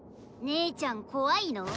姉ちゃん怖いの？